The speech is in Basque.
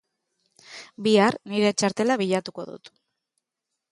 Bihar nire txartela bilatuko dut.